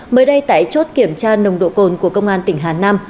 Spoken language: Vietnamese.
mới đây tại chốt kiểm tra nồng độ cồn của công an tỉnh hà nam